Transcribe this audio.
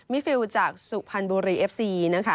มิฟิลจากสุภัณฑุรีเอฟซี